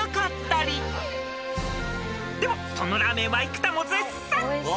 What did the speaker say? ［でもそのラーメンは生田も絶賛］